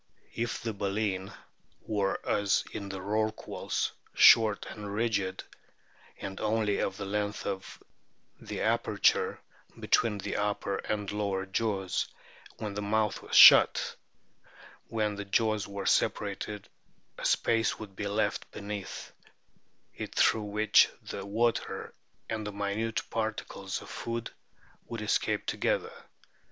If the baleen were, as in the rorquals, short and rigid, and only of the length of the aperture between the upper and lower jaws when the mouth was shut, when the jaws were separated a space would be left beneath it through which the water and the minute particles of food would escape together.